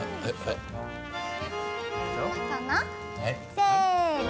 せの。